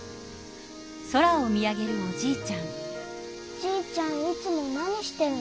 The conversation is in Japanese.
じいちゃんいつも何してるの？